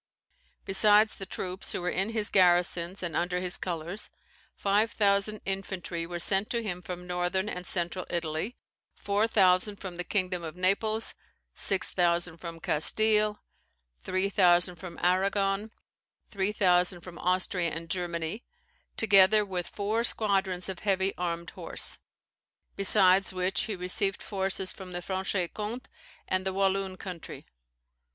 Besides the troops who were in his garrisons, or under his colours, five thousand infantry were sent to him from northern and central Italy, four thousand from the kingdom of Naples, six thousand from Castile, three thousand from Arragon, three thousand from Austria and Germany, together with four squadrons of heavy armed horse; besides which he received forces from the Franche Comte and the Walloon country.